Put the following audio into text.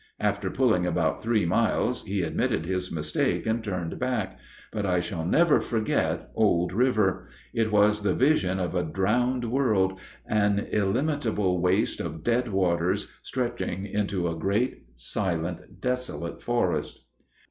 After pulling about three miles he admitted his mistake and turned back; but I shall never forget Old River. It was the vision of a drowned world, an illimitable waste of dead waters, stretching into a great, silent, desolate forest.